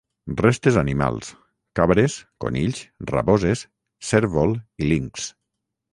Restes animals: cabres, conills, raboses, cérvol i linx.